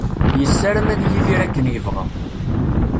Yessaram ad yidir akken yebɣa.